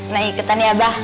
neng iketan ya abah